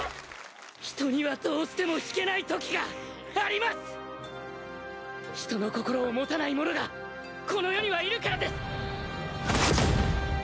「人にはどうしても引けないときがあります」「人の心を持たない者がこの世にはいるからです」